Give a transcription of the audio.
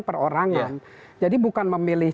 perorangan jadi bukan memilih